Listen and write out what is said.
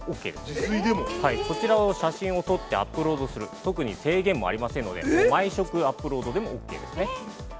◆そちらの写真を撮ってアップロードする、特に制限もありませんので、毎食、アップロードでもオーケーですね。